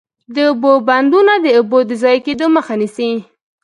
د اوبو بندونه د اوبو د ضایع کیدو مخه نیسي.